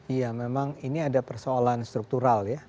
iya memang ini ada persoalan struktural ya